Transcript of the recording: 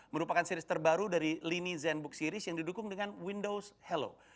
merupakan series terbaru dari lini zenbook series yang didukung dengan windows hello